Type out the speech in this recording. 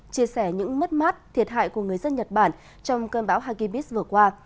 chia sẻ những mất mát thiệt hại của người dân nhật bản trong cơn bão hagibis vừa qua